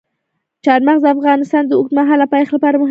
چار مغز د افغانستان د اوږدمهاله پایښت لپاره مهم رول لري.